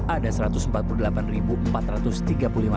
ada seratus persen yang menyebarkan konten negatif